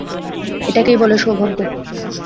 এটাকেই বলে সৌভাগ্য।